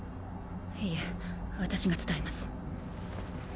いえ私が伝えます。